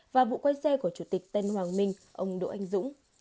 và vụ quay xe của chủ tịch tân hoàng minh ông đỗ anh dũng